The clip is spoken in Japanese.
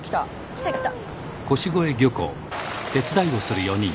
来た来た。